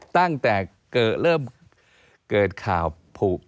ตั้งแต่เกิดเริ่มเกิดข่าวพืชออกมา